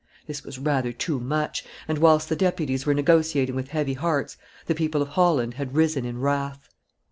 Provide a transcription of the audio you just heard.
This was rather too much; and, whilst the deputies were negotiating with heavy hearts, the people of Holland had risen in wrath.